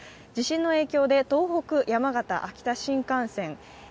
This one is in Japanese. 地震の影響で東北山形、秋田新幹線